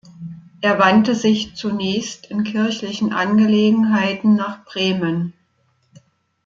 Er wandte sich zunächst in kirchlichen Angelegenheiten nach Bremen.